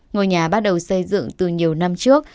ngôi nhà bắt đầu xây dựng từ nhiều năm trước